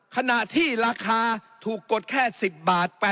ขณะที่ราคาถูกกดแค่๑๐บาท